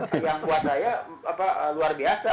sembilan bulan itu waktu yang buat saya luar biasa